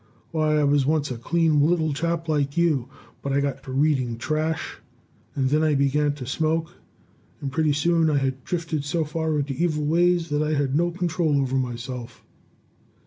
Why, I was once a clean little chap like you, but I got to reading trash, and then I began to smoke, and pretty soon I had drifted so far into evil ways that I had no control over myself."